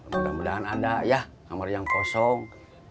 mudah mudahan ada ya kamar yang kosong